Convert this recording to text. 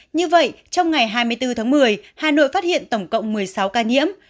như vậy trong ngày hai mươi bốn tháng một mươi hà nội phát hiện tổng cộng một mươi sáu ca nhiễm